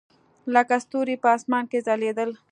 لکه ستوري په اسمان کښې ځلېدل.